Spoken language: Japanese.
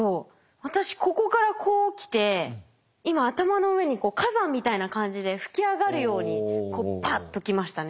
私ここからこう来て今頭の上に火山みたいな感じで噴き上がるようにこうパッと来ましたね。